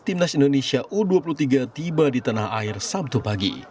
timnas indonesia u dua puluh tiga tiba di tanah air sabtu pagi